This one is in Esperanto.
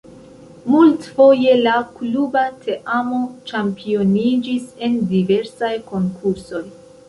Multfoje la kluba teamo ĉampioniĝis en diversaj konkursoj.